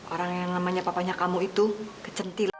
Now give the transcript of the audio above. orang yang namanya papanya kamu itu kecentilan